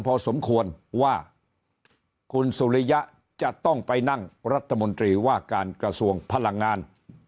พอสมควรว่าคุณสุริยะจะต้องไปนั่งรัฐมนตรีว่าการกระทรวงพลังงาน